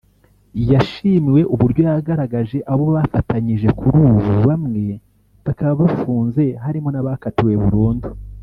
yashimiwe uburyo yagaragaje abo bafatanyije kuri ubu bamwe bakaba bafunze harimo n’abakatiwe burundu